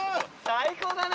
最高だね！